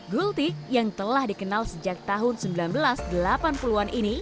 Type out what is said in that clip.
gultik yang telah dikenal sejak tahun seribu sembilan ratus delapan puluh an ini